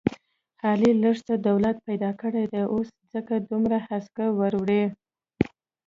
علي لږ څه دولت پیدا کړی دی، اوس یې ځکه دومره هسکه وړوي...